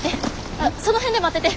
あっその辺で待ってて。